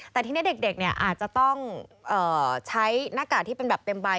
แต่ทีนี้เด็กอาจจะต้องใช้หน้ากากที่เป็นแบบเต็มใบ